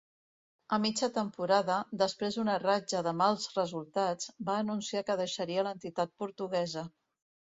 A mitja temporada, després d'una ratxa de mals resultats, va anunciar que deixaria l'entitat portuguesa.